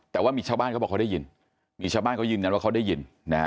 แต่ว่ามีชาวบ้านก็บอกเขาได้ยิน